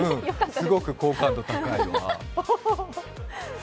すごく好感度高い。